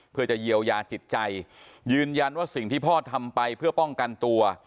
เพื่อจะเยียวยาจิตใจยืนยันว่าสิ่งที่พ่อทำไปเพื่อป้องกันตัว